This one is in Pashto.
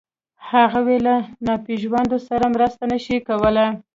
هغوی له ناپېژاندو سره مرسته نهشي کولی.